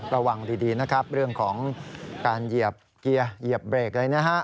ระวังดีนะครับเรื่องของการเหยียบเกียร์เหยียบเบรกอะไรนะฮะ